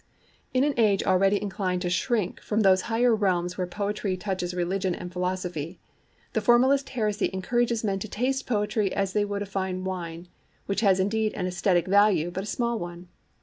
In an age already inclined to shrink from those higher realms where poetry touches religion and philosophy, the formalist heresy encourages men to taste poetry as they would a fine wine, which has indeed an aesthetic value, but a small one.